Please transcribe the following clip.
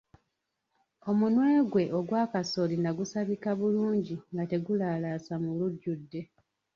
Omunwe gwe ogwa kasooli nagusabika bulungi nga tagulaalasa mu lujjudde.